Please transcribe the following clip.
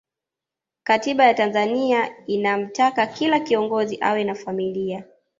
katiba ya tanzania inamtaka kila kiongozi awe na familia